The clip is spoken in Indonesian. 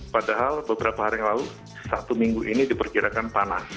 padahal beberapa hari yang lalu satu minggu ini diperkirakan panas